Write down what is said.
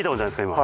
今。